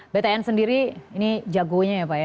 btn sendiri ini jagonya ya pak ya